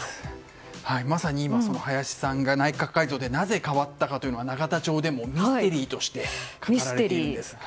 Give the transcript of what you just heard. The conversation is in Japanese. まさに、林さんが内閣改造でなぜ代わったのかというのは永田町でもミステリーとして語られているんです。